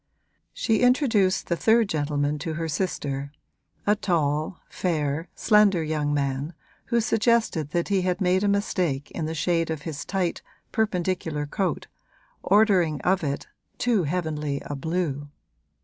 She introduced the third gentleman to her sister; a tall, fair, slender young man who suggested that he had made a mistake in the shade of his tight, perpendicular coat, ordering it of too heavenly a blue.